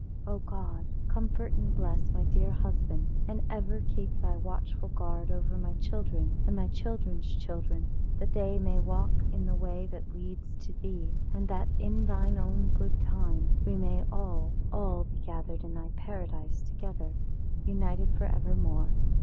"O God, comfort and bless my dear husband, and ever keep Thy watchful guard over my children and my children's children, that they may walk in the way that leads to Thee, and that in Thine own good time we may all all be gathered in Thy Paradise together, united for evermore.